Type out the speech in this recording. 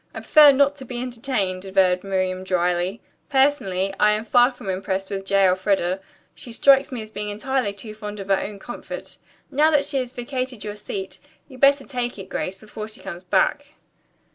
"I prefer not to be entertained," averred Miriam dryly. "Personally, I am far from impressed with J. Elfreda. She strikes me as being entirely too fond of her own comfort. Now that she has vacated your seat, you had better take it, Grace, before she comes back."